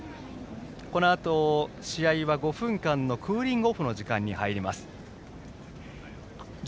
このあと試合は１０分間のクーリングオフの時間に入ります。